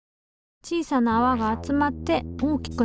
小さなあわが集まって大きくなってく。